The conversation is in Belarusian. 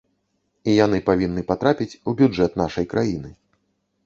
І яны павінны патрапіць у бюджэт нашай краіны.